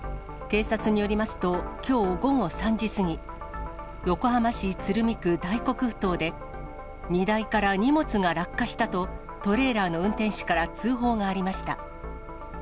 警察によりますと、きょう午後３時過ぎ、横浜市鶴見区大黒ふ頭で、荷台から荷物が落下したと、トレーラーの運転手から通報がありました。